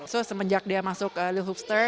so semenjak dia masuk ke little hoopster